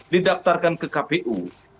didaftarkan ke kpu